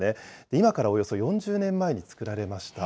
今からおよそ４０年前に作られました。